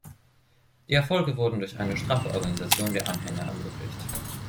Die Erfolge wurden durch eine straffe Organisation der Anhänger ermöglicht.